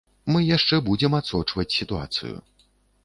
Мы яшчэ будзем адсочваць сітуацыю.